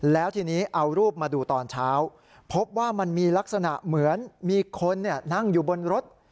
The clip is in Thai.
แล้วทีนี้เอารูปมาดูตอนเช้าพบว่ามันมีลักษณะเหมือนมีคนนั่งอยู่บนรถ